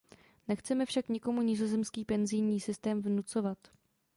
Nechceme však nikomu nizozemský penzijní systém vnucovat.